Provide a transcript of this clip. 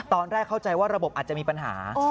ตอนแรกเข้าใจว่าระบบอาจจะมีปัญหา